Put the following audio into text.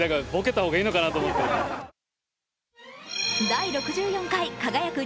「第６４回輝く！